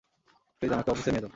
Please আমাকে অফিসে নিয়ে যাও।